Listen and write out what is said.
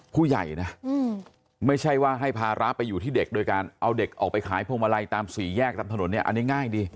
ผู้ใหญ่นะไม่ใช่ว่าให้ภาระไปอยู่ที่เด็กโดยการเอาเด็กออกไปขายพวงมาลัยตามสี่แยกตามถนนเนี่ยอันนี้ง่ายดี